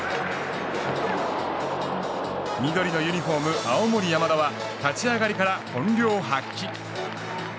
緑のユニホーム、青森山田は立ち上がりから本領発揮。